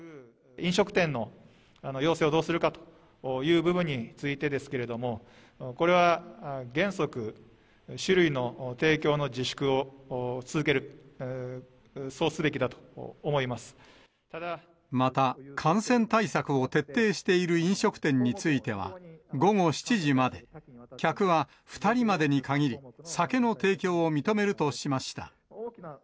飲食店の要請をどうするかという部分についてですけれども、これは原則、酒類の提供の自粛を続ける、また、感染対策を徹底している飲食店については、午後７時まで、客は２人までに限り、酒の提供を認めるとしました。